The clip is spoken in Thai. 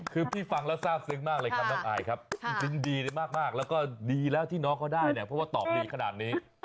คือพี่ฟังแล้วทราบซึ้งมากเลยครับน้องอายครับซึ้งดีมากแล้วก็ดีแล้วที่น้องเขาได้เนี่ยเพราะว่าตอบดีขนาดนี้